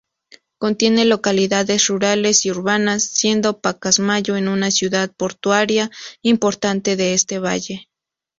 Contiene localidades rurales y urbanas siendo Pacasmayo una ciudad portuaria importante de este valle.